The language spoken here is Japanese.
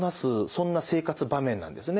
そんな生活場面なんですね。